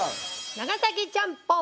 長崎ちゃんぽん。